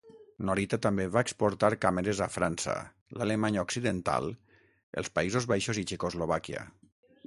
Norita també va exportar càmeres a França, l'Alemanya Occidental, els Països Baixos i Txecoslovàquia.